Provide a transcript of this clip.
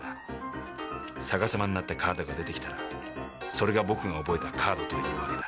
逆さまになったカードが出てきたらそれが僕が覚えたカードというわけだ。